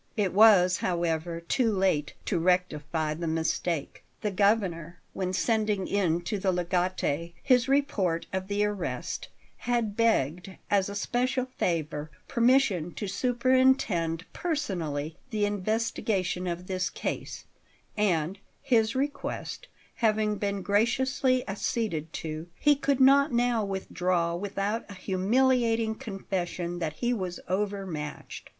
It was, however, too late to rectify the mistake. The Governor, when sending in to the Legate his report of the arrest, had begged, as a special favour, permission to superintend personally the investigation of this case; and, his request having been graciously acceded to, he could not now withdraw without a humiliating confession that he was overmatched.